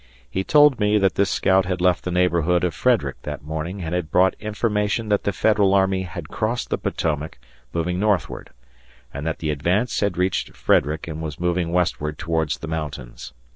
He told me that this scout had left the neighborhood of Frederick that morning and had brought information that the Federal army had crossed the Potomac, moving northward; and that the advance had reached Frederick and was moving westward towards the Mountains.